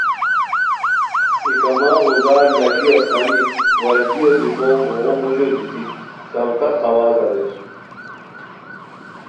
ای کما غوزا ر لاکھی استانی وشلیو دی پونگ اوغو موژو دیتی چھڑتاق ہواز اریر